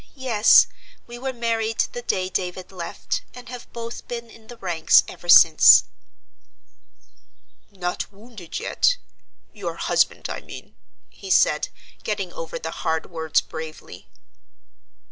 Yes, we were married the day David left, and have both been in the ranks ever since." "Not wounded yet? your husband, I mean," he said, getting over the hard words bravely.